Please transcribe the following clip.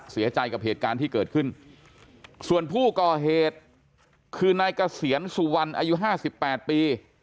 เสียใจกับเหตุการณ์ที่เกิดขึ้นส่วนผู้ก่อเหตุคือนายเกษียณสุวรรณอายุห้าสิบแปดปี